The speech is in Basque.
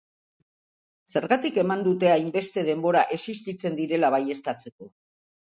Zergatik eman dute hainbeste denbora existitzen direla baieztatzeko?